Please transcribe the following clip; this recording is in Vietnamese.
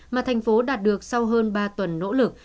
mà thành phố đạt được sau hơn ba tuần nỗ lực